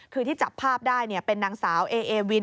คือที่จับภาพได้เป็นนางสาวเอเอวิน